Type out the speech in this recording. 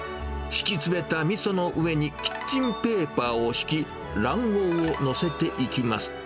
敷き詰めたみその上にキッチンペーパーを敷き、卵黄を載せていきます。